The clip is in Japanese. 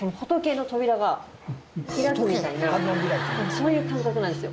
そういう感覚なんですよ。